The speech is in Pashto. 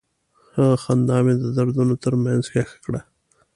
هغه خندا مې د دردونو تر منځ ښخ کړه.